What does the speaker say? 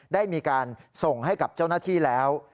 ได้มีการส่งให้กับเจ้าหน้าที่แล้ว